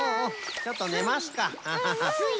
ちょっとねますかアハハ。